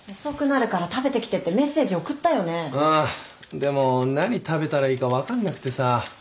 でも何食べたらいいか分かんなくてさ。